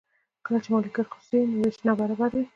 کله چې مالکیت خصوصي وي نو ویش نابرابر وي.